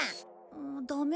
ダメ？